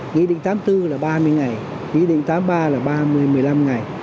nghị định tám mươi bốn là ba mươi ngày nghị định tám mươi ba là ba mươi một mươi năm ngày